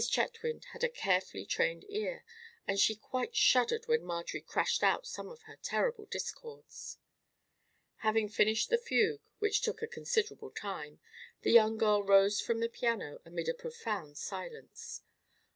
Chetwynd had a carefully trained ear, and she quite shuddered when Marjorie crashed out some of her terrible discords. Having finished the fugue, which took a considerable time, the young girl rose from the piano amid a profound silence.